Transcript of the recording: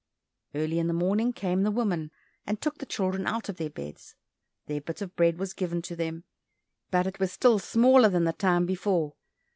Early in the morning came the woman, and took the children out of their beds. Their bit of bread was given to them, but it was still smaller than the time before.